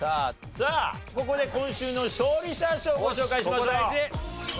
さあここで今週の勝利者賞ご紹介しましょう。